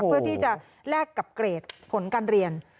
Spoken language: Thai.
เพื่อที่จะแลกกับเกรดผลการเรียน